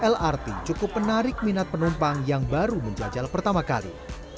lrt cukup menarik minat penumpang yang baru menjajal pertama kali